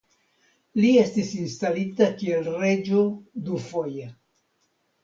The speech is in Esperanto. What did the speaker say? Li estis instalita kiel reĝo dufoje.